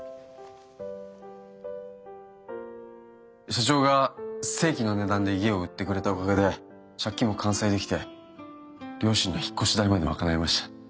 社長が正規の値段で家を売ってくれたおかげで借金も完済できて両親の引っ越し代まで賄えました。